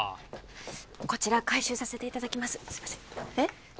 こちら回収させていただきますすいませんえっ？